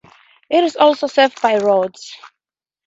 It is also served by roads.